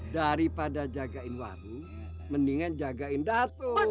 daripada jagain warung mendingan jagain datu